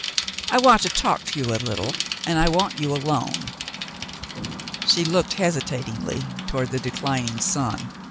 I want to talk to you a little, and I want you alone." She looked hesitatingly toward the declin ing sun.